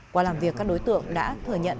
qua làm việc các đối tượng đã thừa nhận